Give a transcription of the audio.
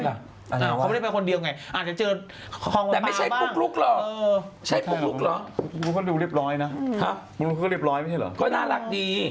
อันไหนวะอันไหนวะเขาไม่ได้ไปคนเดียวไงอาจจะเจอคองปลาบ้าง